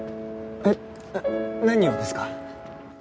えっ何をですか？